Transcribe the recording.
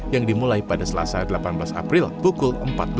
yang dimulai pada selasa delapan belas april pukul empat belas